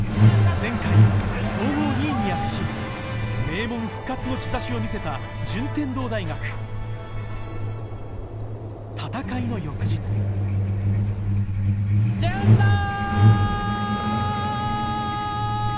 前回総合２位に躍進名門復活の兆しを見せた順天堂大学戦いの翌日順だい！